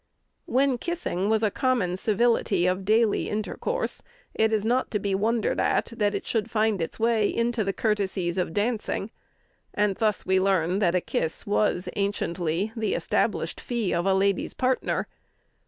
When kissing was a common civility of daily intercourse, it is not to be wondered at that it should find its way into the courtesies of dancing, and thus we learn that a kiss was anciently the established fee of a lady's partner.